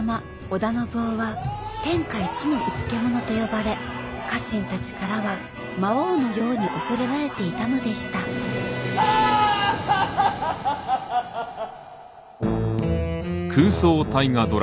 小田信夫は「天下一のうつけ者」と呼ばれ家臣たちからは魔王のように恐れられていたのでしたハッハハハハハハハハ！